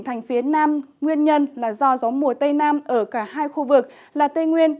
thành phía nam nguyên nhân là do gió mùa tây nam ở cả hai khu vực là tây nguyên